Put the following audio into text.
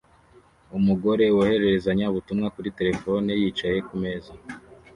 umugore wohererezanya ubutumwa kuri terefone yicaye kumeza